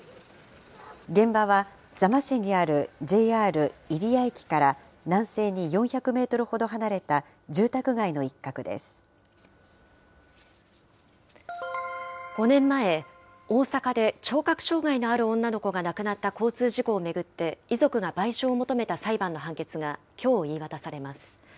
現場は座間市にあるＪＲ入谷駅から南西に４００メートルほど離れ５年前、大阪で聴覚障害のある女の子が亡くなった交通事故を巡って、遺族が賠償を求めた裁判の判決がきょう言い渡されます。